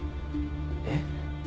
えっ？